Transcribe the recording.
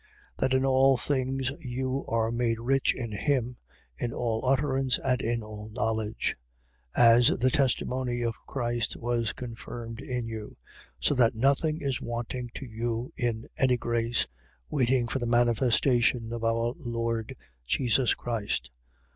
That in all things you are made rich in him, in all utterance and in all knowledge; 1:6. As the testimony of Christ was confirmed in you, 1:7. So that nothing is wanting to you in any grace, waiting for the manifestation of our Lord Jesus Christ.